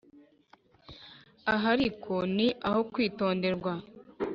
aha ariko ni aho kwitonderwa,